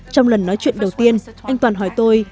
trong lần nói chuyện đầu tiên anh toàn hỏi tôi